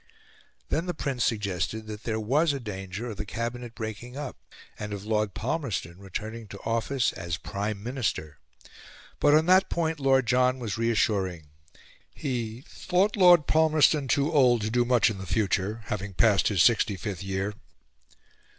Then the Prince suggested that there was a danger of the Cabinet breaking up, and of Lord Palmerston returning to office as Prime Minister. But on that point Lord John was reassuring: he "thought Lord Palmerston too old to do much in the future (having passed his sixty fifth year)."